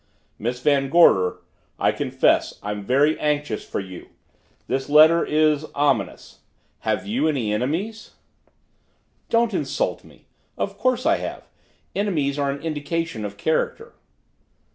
"Miss Van Gorder, I confess I'm very anxious for you," he continued. "This letter is ominous. Have you any enemies?" "Don't insult me! Of course I have. Enemies are an indication of character."